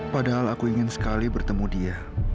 padahal aku ingin sekali bertemu dia